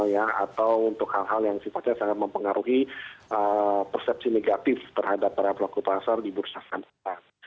atau untuk hal hal yang sifatnya sangat mempengaruhi persepsi negatif terhadap para pelaku pasar di bursa saham